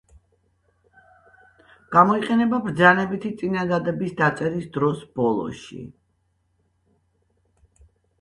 გამოიყენება ბრძანებითი წინადადების დაწერის დროს, ბოლოში.